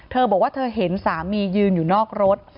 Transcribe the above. เธอบอกว่าเธอเห็นสามียืนอยู่นอกรถ